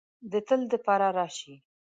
د تل د پاره راشې